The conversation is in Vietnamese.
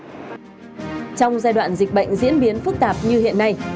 trong giai đoạn dịch bệnh diễn biến phức tạp như hiện nay